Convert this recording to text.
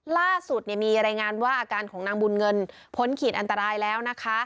ล่าสุดมีรายงานว่าอาการของนางบุญเงินพ้นขีดอันตรายแล้วนะคะ